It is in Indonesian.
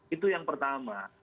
itu yang pertama